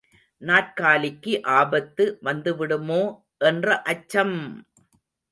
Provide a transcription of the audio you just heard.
நாற்காலிக்கு ஆபத்து வந்துவிடுமோ என்ற அச்சம்!